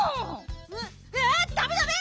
ダメダメ！